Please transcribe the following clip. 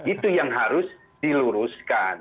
itu yang harus diluruskan